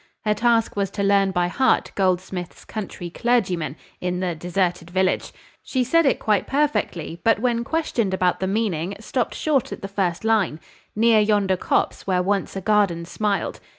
Her task was to learn by heart Goldsmith's Country Clergyman, in the `Deserted Village.' She said it quite perfectly, but, when questioned about the meaning, stopped short at the first line, "Near yonder copse where once a garden smiled."